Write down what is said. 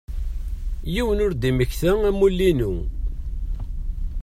Yiwen ur d-yemmekta amulli-inu.